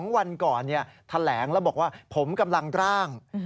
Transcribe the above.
วันก่อนแถลงแล้วบอกว่าผมกำลังร่าง